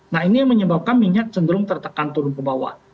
nah ini yang menyebabkan minyak cenderung tertekan turun ke bawah